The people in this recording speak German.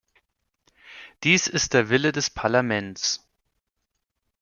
Dies ist der Wille des Parlaments.